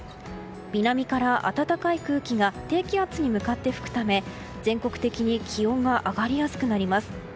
南から、暖かい空気が低気圧に向かって吹くため全国的に気温が上がりやすくなります。